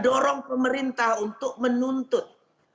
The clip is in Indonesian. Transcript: orang pemerintah untuk menuntut